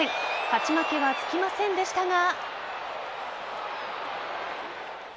勝ち負けはつきませんでしたが。